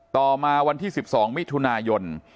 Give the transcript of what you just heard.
ต่อมาวันที่๑๒มิย